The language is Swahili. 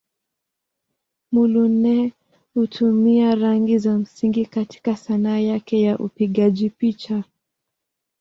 Muluneh hutumia rangi za msingi katika Sanaa yake ya upigaji picha.